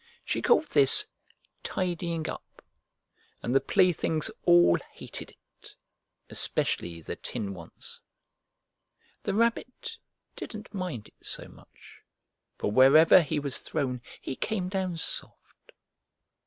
She called this "tidying up," and the playthings all hated it, especially the tin ones. The Rabbit didn't mind it so much, for wherever he was thrown he came down soft.